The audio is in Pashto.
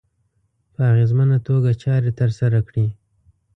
په اغېزمنه توګه چارې ترسره کړي.